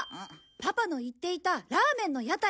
パパの言っていたラーメンの屋台